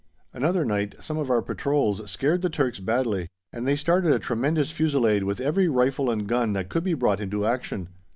Another night some of our patrols scared the Turks badly, and they started a tremendous fusillade with every rifle and gun that could be brought into action.